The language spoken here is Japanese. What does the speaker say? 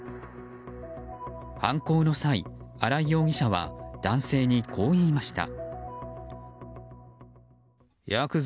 犯行の際、荒井容疑者は男性にこう言いました。